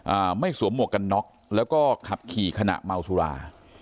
ไม่สวมหมวกกันน็อกแล้วก็ขับขี่ขณะเมาสุรา